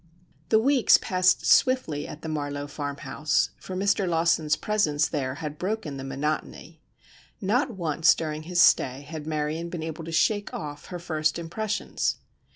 The weeks passed swiftly at the Marlowe farmhouse, for Mr. Lawson's presence there had broken the monotony. Not once during his stay had Marion been able to shake off her first impressions.